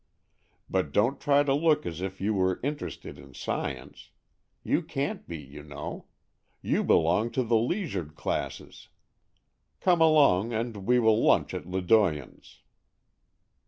But don't try to look as if you were interested in science. You can't be, you know. You belong to the leisured classes. Come along, and we will lunch at Ledoyen's."